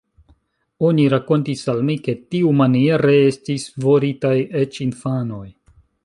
Oni rakontis al mi, ke tiumaniere estis voritaj eĉ infanoj.